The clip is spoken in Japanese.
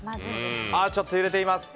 ちょっと揺れています。